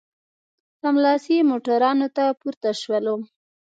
سملاسي موټرانو ته پورته شولو.